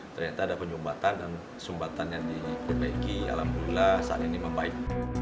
ternyata ada penyumbatan dan sumbatan yang diperbaiki alhamdulillah saat ini membaik